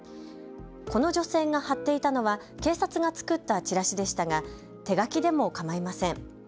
この女性が張っていたのは警察が作ったチラシでしたが手書きでもかまいません。